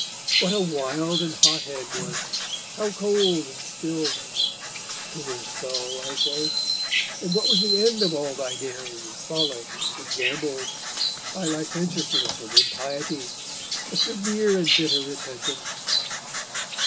What a wild and hot head once how cold and still now; poor skull, I say: and what was the end of all thy daring, frolics and gambols thy licentiousness and impiety a severe and bitter repentance.